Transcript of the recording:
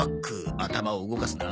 頭を動かすな。